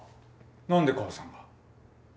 何で母さんが？